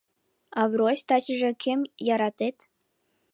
Оврось, тачыже кем яратет?